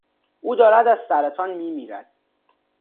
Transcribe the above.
او دارد از سرطان میمیرد.